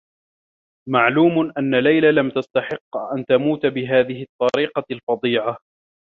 معلوم أنّ ليلى لم تستحقّ أن تموت بهذه الطّريقة الفظيعة.